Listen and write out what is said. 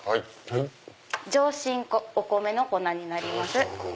上新粉お米の粉になります。